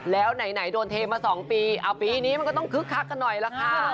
แล้วไหนโดนเทมา๒ปีเอาปีนี้มันก็ต้องคึกคักกันหน่อยล่ะค่ะ